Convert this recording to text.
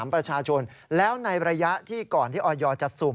ยอมรับว่าการตรวจสอบเพียงเลขอยไม่สามารถทราบได้ว่าเป็นผลิตภัณฑ์ปลอม